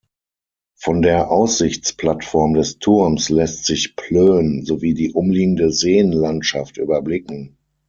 Von der Aussichtsplattform des Turms lässt sich Plön sowie die umliegende Seenlandschaft überblicken.